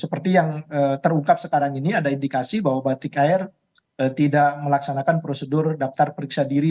seperti yang terungkap sekarang ini ada indikasi bahwa batik air tidak melaksanakan prosedur daftar periksa diri